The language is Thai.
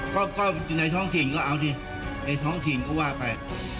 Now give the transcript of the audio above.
ก็ในท้องถิ่นก็เอาดิในท้องถิ่นก็ว่าไป